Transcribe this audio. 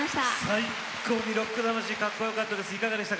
最高にロック魂かっこよかったです。